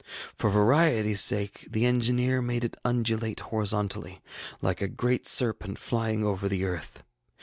For varietyŌĆÖs sake the engineer made it undulate horizontally, like a great serpent flying over the earth.